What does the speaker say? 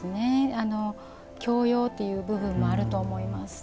教養という部分もあると思います。